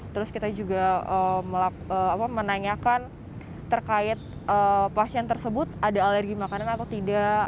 terus kita juga menanyakan terkait pasien tersebut ada alergi makanan atau tidak